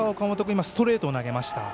今、ストレートを投げました。